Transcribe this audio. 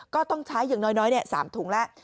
ก็ต้องใช้อย่างน้อย๓ถุงแล้ว